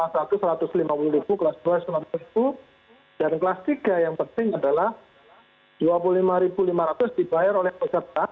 kelas satu rp satu ratus lima puluh kelas dua rp satu ratus lima puluh dan kelas tiga yang penting adalah rp dua puluh lima lima ratus dibayar oleh pbi